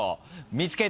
見つけて！